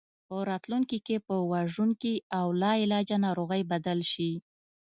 په راتلونکي کې په وژونکي او لاعلاجه ناروغۍ بدل شي.